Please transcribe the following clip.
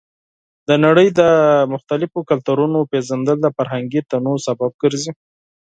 د نړۍ د مختلفو کلتورونو پیژندل د فرهنګي تنوع سبب ګرځي.